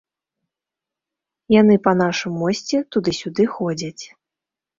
Яны па нашым мосце туды-сюды ходзяць.